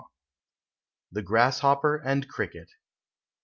THE GRASSHOPPER AND CRICKET.